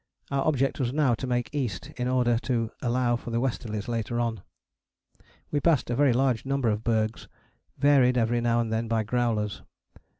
Our object was now to make east in order to allow for the westerlies later on. We passed a very large number of bergs, varied every now and then by growlers.